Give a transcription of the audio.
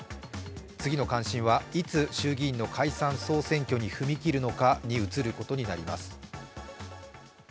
次の関心は、いつ衆議院の解散総選挙に踏み切るのかに移ることになります。